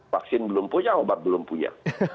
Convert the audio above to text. vaksin belum punya obat belum punya